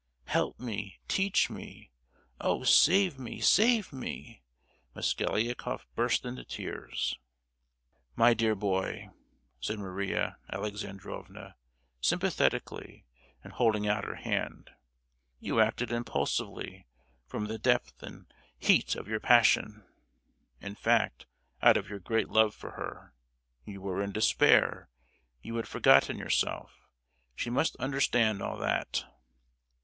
help me—teach me. Oh! save me, save me!" Mosgliakoff burst into tears. "My dear boy," said Maria Alexandrovna, sympathetically, and holding out her hand, "you acted impulsively, from the depth and heat of your passion—in fact, out of your great love for her; you were in despair, you had forgotten yourself; she must understand all that!"